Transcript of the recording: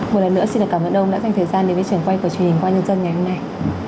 một lần nữa xin cảm ơn ông đã dành thời gian đến với trường quay của truyền hình công an nhân dân ngày hôm nay